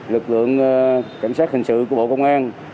lực lượng cảnh sát hình sự của bộ công an